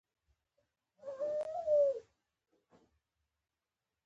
د سړو او ګرم خوړو سره غاښونه زیانمنېږي.